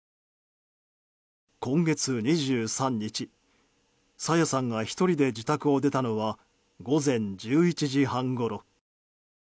今月２３日、朝芽さんが１人で自宅を出たのは午前１１時半ごろ。